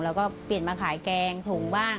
แล้วก็เปลี่ยนมาขายแกงถุงบ้าง